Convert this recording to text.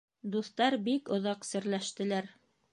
Дуҫтар бик оҙаҡ серләштеләр.